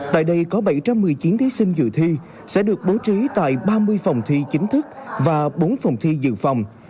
tại đây có bảy trăm một mươi chín thí sinh dự thi sẽ được bố trí tại ba mươi phòng thi chính thức và bốn phòng thi dự phòng